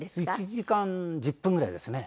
１時間１０分ぐらいですね。